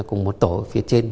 cùng một tổ phía trên